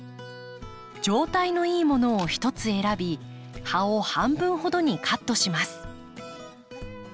状態のいいものを１つ選び葉を半分ほどにカットします。